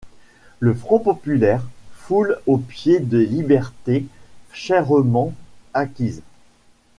Le Front populaire foule aux pieds des libertés chèrement acquises.